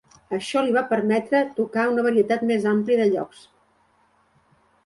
Això li va permetre tocar en una varietat més àmplia de llocs.